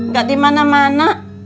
gat di mana mana